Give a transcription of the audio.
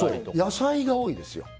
野菜が多いですよ。